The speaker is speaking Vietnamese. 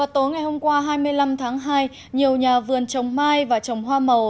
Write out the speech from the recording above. tối ngày hôm qua hai mươi năm tháng hai nhiều nhà vườn trồng mai và trồng hoa màu